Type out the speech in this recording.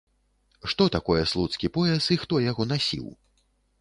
Што такое слуцкі пояс і хто яго насіў?